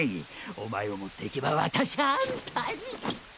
おまえを持っていけば私は安泰！